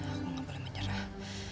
aku gak boleh menyerah